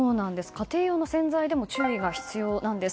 家庭用の洗剤も注意が必要なんです。